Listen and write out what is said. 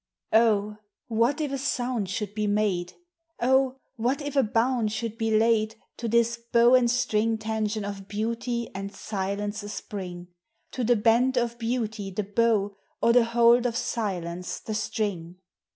Oh ! what if a sound should be made ! Oh! what if a bound should be laid To this bow and string tension of beaut} T and silence a spring, To the bend of beauty the bow, or the hold of silence the string!